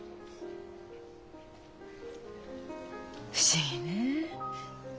不思議ねえ。